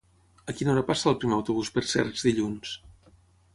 A quina hora passa el primer autobús per Cercs dilluns?